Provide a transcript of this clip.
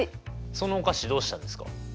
そのお菓子どうしたんですか？